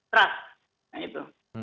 trust nah itu